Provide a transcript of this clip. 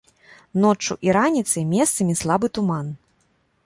Ноччу і раніцай месцамі слабы туман.